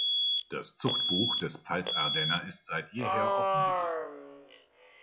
Das Zuchtbuch des Pfalz-Ardenner ist seit jeher offen gewesen.